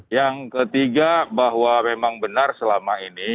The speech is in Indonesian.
yang ketiga bahwa memang benar selama ini